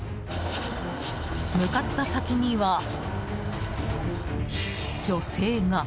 向かった先には、女性が。